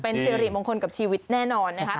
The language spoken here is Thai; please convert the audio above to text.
เป็นสิริมงคลกับชีวิตแน่นอนนะคะ